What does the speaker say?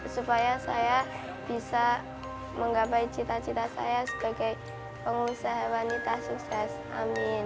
supaya saya bisa menggapai cita cita saya sebagai pengusaha wanita sukses amin